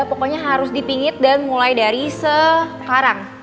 pokoknya harus dipingit dan mulai dari sekarang